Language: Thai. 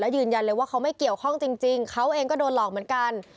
ยืนยันเลยว่าเขาไม่เกี่ยวข้องจริงเขาเองก็โดนหลอกเหมือนกัน